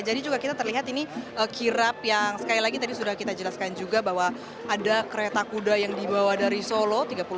jadi juga kita terlihat ini kirap yang sekali lagi tadi sudah kita jelaskan juga bahwa ada kereta kuda yang dibawa dari solo